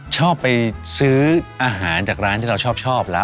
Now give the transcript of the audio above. ชอบไปซื้ออาหารจากร้านที่เราชอบแล้ว